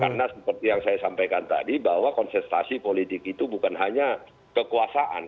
karena seperti yang saya sampaikan tadi bahwa konsentrasi politik itu bukan hanya kekuasaan